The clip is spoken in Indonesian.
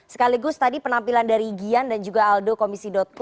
sekaligus tadi penampilan dari gian dan juga aldo komisi co